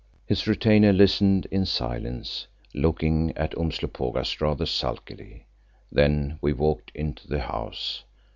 His retainer listened in silence, looking at Umslopogaas rather sulkily. Then we walked into the house.